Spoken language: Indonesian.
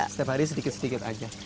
setiap hari sedikit sedikit aja